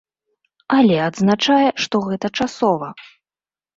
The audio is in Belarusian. Але адзначае, што гэта часова.